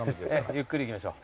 ゆっくり行きましょう。